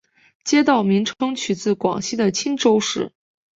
街道名称取自广西的钦州市。